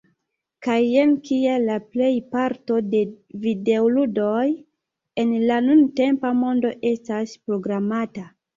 Kaj jen kial la plejparto de videoludoj en la nuntempa mondo estas programata